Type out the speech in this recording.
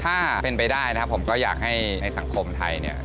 ถ้าเป็นไปได้นะครับผมก็อยากให้สังคมไทยเนี่ย